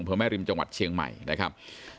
เพื่อแม่ริมจังหวัดเชียงใหม่นะครับ